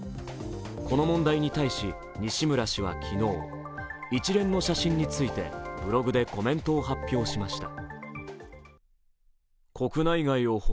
この問題に対し、西村氏は昨日、一連の写真についてブログでコメントを発表しました。